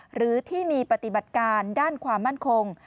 หรือที่มีปฏิบัติการด้านความมั่นคง